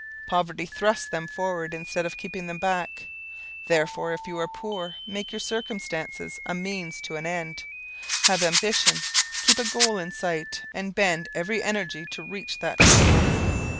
Poverty thrust them forward instead of keeping them back. Therefore, if you are poor make your circumstances a means to an end. Have ambition, keep a goal in sight and bend every energy to reach that goal.